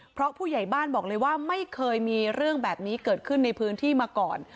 เพราะผู้ใหญ่บ้านบอกเลยว่าไม่เคยมีเรื่องแบบนี้เกิดขึ้นในพื้นที่มาก่อน